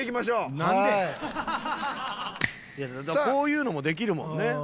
こういうのもできるもんね。